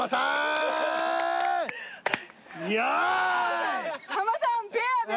大さん浜さんペアです。